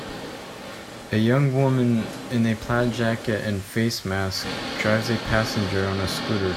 A young woman in a plaid jacket and face mask drives a passenger on a scooter.